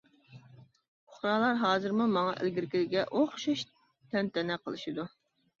پۇقرالار ھازىرمۇ ماڭا ئىلگىرىكىگە ئوخشاش تەنتەنە قىلىشىدۇ.